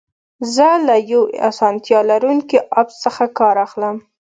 زه له یو اسانتیا لرونکي اپ څخه کار اخلم.